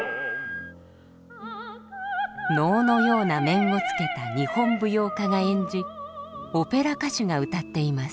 能のような面をつけた日本舞踊家が演じオペラ歌手が歌っています。